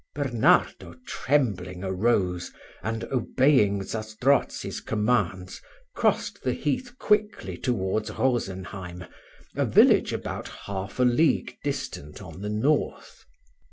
Bernardo trembling arose, and obeying Zastrozzi's commands, crossed the heath quickly towards Rosenheim, a village about half a league distant on the north.